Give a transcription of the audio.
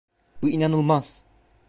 Bu inanılmaz!